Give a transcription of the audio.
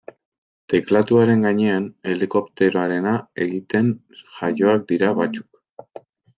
Teklatuaren gainean helikopteroarena egiten jaioak dira batzuk.